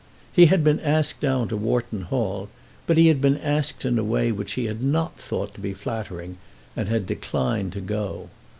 He had been asked down to Wharton Hall, but he had been asked in a way which he had not thought to be flattering and had declined to go.